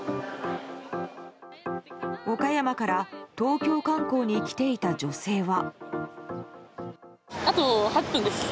岡山から東京観光に来ていた女性は。